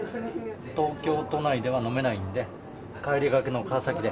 東京都内では飲めないんで、帰りがけの川崎で。